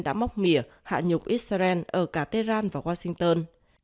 đã móc mỉa hạ nhục israel ở cả tehran và washington